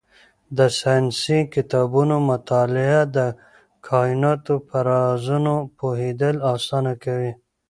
د ساینسي کتابونو مطالعه د کایناتو په رازونو پوهېدل اسانه کوي.